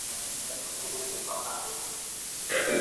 Mbona hizi shida zinazidi?